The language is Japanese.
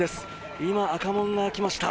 今、赤門が開きました。